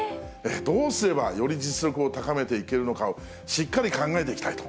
どうすればより実力を高めていけるのかをしっかり考えていきたいと。